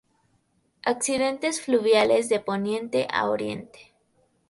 Accidentes fluviales de poniente a oriente.